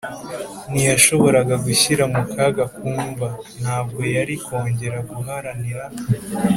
ntiyashoboraga gushyira mu kaga kumva; ntabwo yari kongera guharanira;